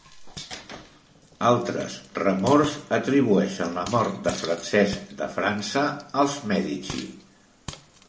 Altres remors atribueixen la mort de Francesc de França, als Mèdici.